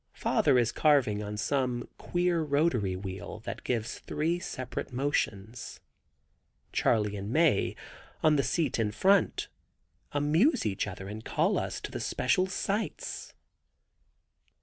Father is carving on some queer rotary wheel that gives three separate motions. Charley and Mae, on the seat in front, amuse each other and call us to the special sights.